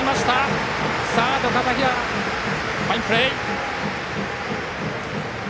サードの片平、ファインプレー！